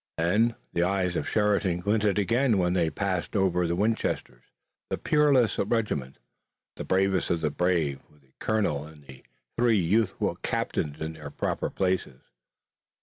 And the eyes of Sheridan glinted again when they passed over the Winchesters, the peerless regiment, the bravest of the brave, with the colonel and the three youthful captains in their proper places.